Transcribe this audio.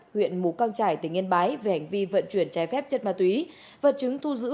huyện mù căng trải tỉnh yên bái về hành vi vận chuyển trái phép chất ma túy vật chứng thu giữ